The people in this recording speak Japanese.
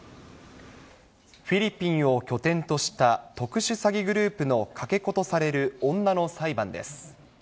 フィリピンを拠点とした、特殊詐欺グループのかけ子とされる女の裁判です。